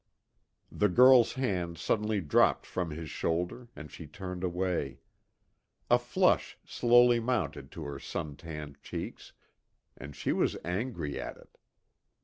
The girl's hand suddenly dropped from his shoulder, and she turned away. A flush slowly mounted to her sun tanned cheeks, and she was angry at it.